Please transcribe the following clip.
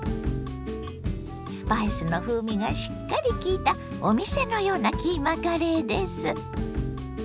スパイスの風味がしっかり効いたお店のようなキーマカレーです。